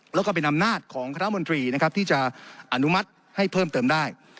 แล้วก็เป็นอำนาจของคณะมนตรีนะครับที่จะอนุมัติให้เพิ่มเติมได้